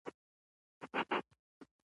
مولوي محي الدین جان اغا لوی پير او ولي و.